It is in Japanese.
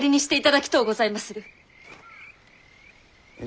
え。